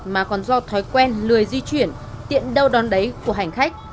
mà còn do thói quen lười di chuyển tiện đâu đón đấy của hành khách